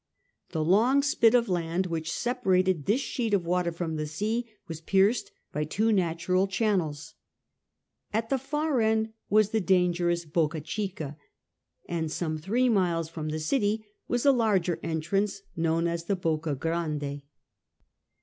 The long spit of land which separated this sheet of water from the sea was pierced by two natural channels. At the far end was the dangerous Bocca Chicay and some three miles from the city was a larger entrance known as the Bocca Grande, io8 SIjR FRANCIS DRAKE chap.